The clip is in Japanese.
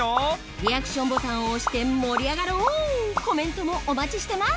リアクションボタンを押して盛り上がろうコメントもお待ちしてます！